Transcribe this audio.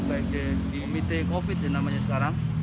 baik di komite covid yang namanya sekarang